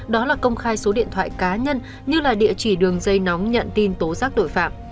đó là công khai số điện thoại cá nhân như là địa chỉ đường dây nóng nhận tin tố giác tội phạm